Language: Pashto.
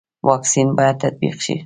واکسین باید تطبیق شي